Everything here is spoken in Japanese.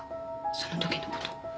そのときのこと。